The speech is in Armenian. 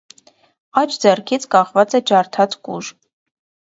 Աջ ձեռքից կախված է ջարդած կուժ։